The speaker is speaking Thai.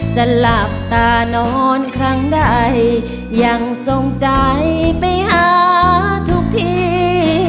จะหลับตานอนครั้งใดยังทรงใจไปหาทุกที